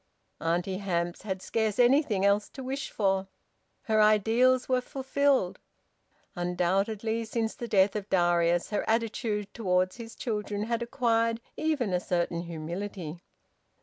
Auntie Hamps had scarce anything else to wish for. Her ideals were fulfilled. Undoubtedly since the death of Darius her attitude towards his children had acquired even a certain humility.